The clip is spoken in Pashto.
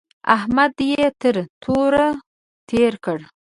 احمد يې تر توره تېر کړ.